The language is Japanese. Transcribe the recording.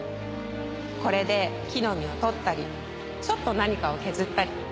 これで木の実をとったりちょっと何かを削ったり。